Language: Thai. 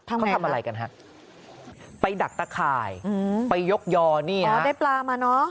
เขาทำอะไรกันฮะไปดักตะข่ายไปยกยอนี่อ๋อได้ปลามาเนอะ